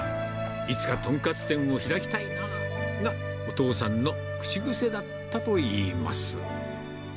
いつか豚カツ店を開きたいがお父さんの口癖だったといいます。